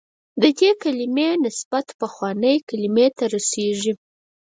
د دې کلمې نسب پخوانۍ کلمې ته رسېږي.